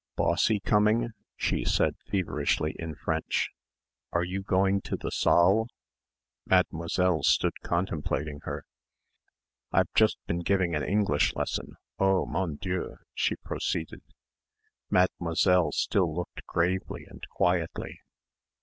"Bossy coming?" she said feverishly in French; "are you going to the saal?" Mademoiselle stood contemplating her. "I've just been giving an English lesson, oh, Mon Dieu," she proceeded. Mademoiselle still looked gravely and quietly.